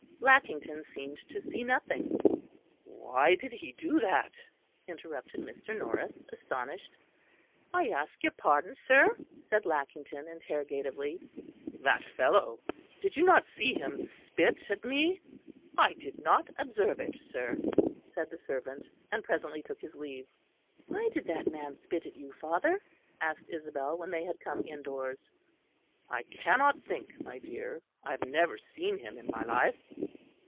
Lackington seemed to see nothing. "Why did he do that?" interrupted Mr. Norris, astonished. "I ask your pardon, sir?" said Lackington interrogatively. "That fellow! did you not see him spit at me?" "I did not observe it, sir," said the servant; and presently took his leave. "Why did that man spit at you, father?" asked Isabel, when they had come indoors. "I cannot think, my dear; I have never seen him in my life."